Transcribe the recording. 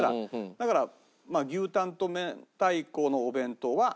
だから牛たんと明太子のお弁当は。